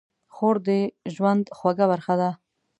خور د ژوند خوږه برخه ده.